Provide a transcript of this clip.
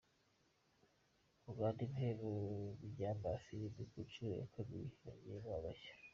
Murwanda ibihembo byama firime ku nshuro ya kabiri yongeyemo agashya